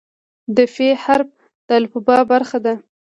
د "ف" حرف د الفبا برخه ده.